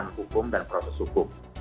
penegakan hukum dan proses hukum